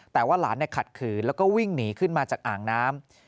แต่ว่าหลานขัดขืนแล้วก็วิ่งหนีขึ้นมาจากอ่างน้ำ